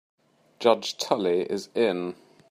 Judge Tully is in.